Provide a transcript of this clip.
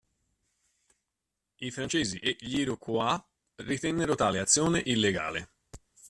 I francesi e gli Iroquois ritennero tale azione illegale.